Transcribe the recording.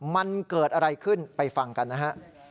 มันเกิดอะไรขึ้นไปฟังกันนะฮะ